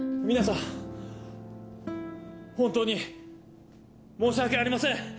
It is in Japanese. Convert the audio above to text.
皆さん本当に申し訳ありません！